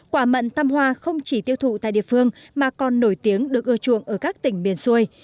quả mận tăm hoa không chỉ tiêu thụ tại địa phương mà còn nổi tiếng được ưa chuộng ở các tỉnh miền xuôi